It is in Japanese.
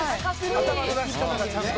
「頭の出し方がちゃんと」